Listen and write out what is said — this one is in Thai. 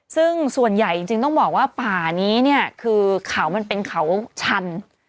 ซึ่งส่วนใหญ่จริงต้องบอกว่าป่านี้เนี่ยคือเขามันเป็นเขาชัน